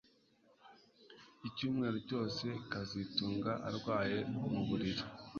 Icyumweru cyose kazitunga arwaye mu buriri